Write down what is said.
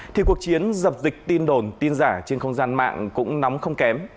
thì cuộc chiến dập dịch tin đồn tin giả trên không gian mạng cũng nóng không kém